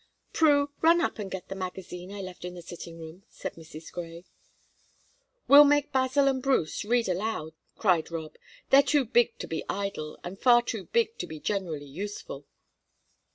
"Prue, run up and get the magazine I left in the sitting room," said Mrs. Grey. "We'll make Basil and Bruce read aloud," cried Rob. "They're too big to be idle, and far too big to be generally useful."